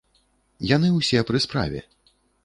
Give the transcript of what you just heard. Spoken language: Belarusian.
Яны ўсе пры справе.